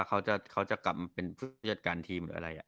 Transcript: เขาจะกลับมาเป็นผู้จัดการทีมหรืออะไร